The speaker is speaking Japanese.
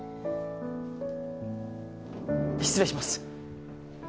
失礼します。